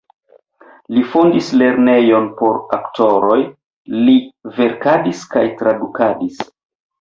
Li fondis lernejon por aktoroj, li verkadis kaj tradukadis.